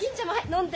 飲んで。